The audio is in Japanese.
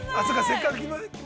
◆せっかく。